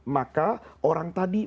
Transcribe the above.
maka orang tadi